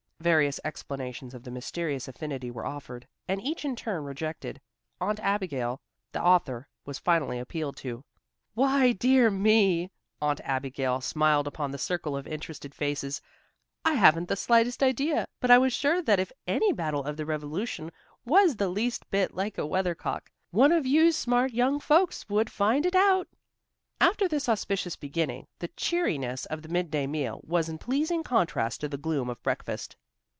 Various explanations of the mysterious affinity were offered, and each in turn rejected. Aunt Abigail, the author, was finally appealed to. "Why, dear me!" Aunt Abigail smiled upon the circle of interested faces. "I haven't the slightest idea, but I was sure that if any battle of the Revolution was the least bit like a weather cock, one of you smart young folks would find it out." After this auspicious beginning, the cheeriness of the midday meal was in pleasing contrast to the gloom of breakfast.